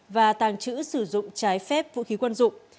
và tàng trữ sử dụng trái phép vũ khí quân dụng